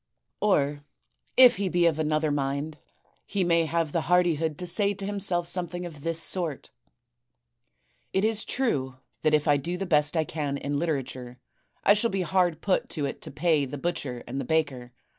* Or if he be of another mind, he may have the hardihood to say to himself something of this sort: *It is true that if I do the best I can in literature, I shall be hard put to it to pay the butcher and the baker.